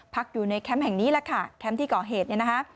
พักอยู่ในแคมป์แห่งนี้แคมป์ที่ก่อเหตุ